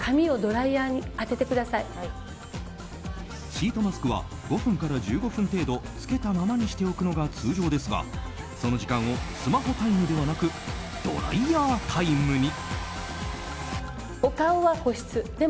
シートマスクは５分から１５分程度着けたままにしておくのが通常ですがその時間をスマホタイムではなくドライヤータイムに。